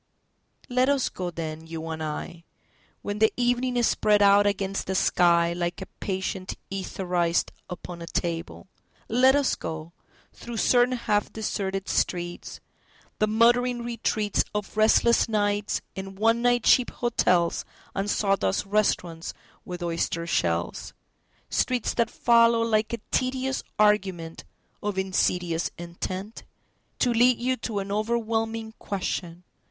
LET us go then, you and I,When the evening is spread out against the skyLike a patient etherized upon a table; Let us go, through certain half deserted streets, The muttering retreatsOf restless nights in one night cheap hotelsAnd sawdust restaurants with oyster shells:Streets that follow like a tedious argumentOf insidious intentTo lead you to an overwhelming question….